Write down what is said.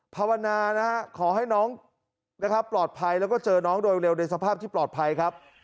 ภาวนานะฮะขอให้น้องนะครับปลอดภัยแล้วก็เจอน้องโดยเร็วในสภาพที่ปลอดภัยครับ